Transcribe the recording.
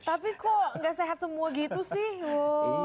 tapi kok gak sehat semua gitu sih